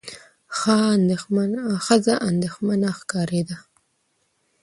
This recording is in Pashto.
ښځه اندېښمنه ښکارېده.